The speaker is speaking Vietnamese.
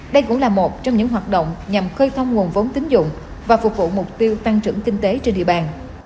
đây cũng là một trong những hoạt động nhằm khơi thông nguồn vốn tín dụng và phục vụ mục tiêu tăng trưởng kinh tế trên địa bàn